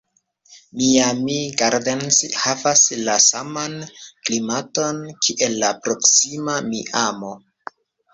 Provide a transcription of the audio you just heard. Miami Gardens havas la saman klimaton, kiel la proksima Miamo.